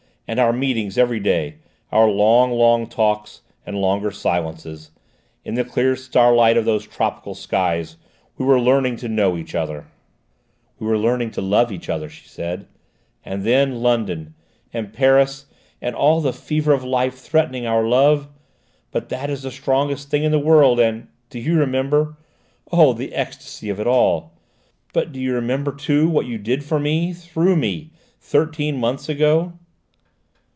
And our meetings every day: our long, long talks, and longer silences in the clear starlight of those tropical skies! We were learning to know each other " "We were learning to love each other," she said. "And then London, and Paris, and all the fever of life threatening our love. But that is the strongest thing in the world: and do you remember? Oh, the ecstasy of it all! But, do you remember too what you did for me through me thirteen months ago?"